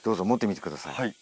はい。